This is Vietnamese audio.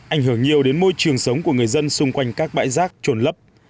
ảnh hưởng nhiều đến môi trường sống của người dân xung quanh các bãi rác trồn lấp